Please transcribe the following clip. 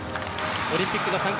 オリンピックの参加